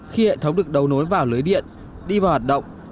khi hệ thống được đầu nối vào lưới điện đi vào hoạt động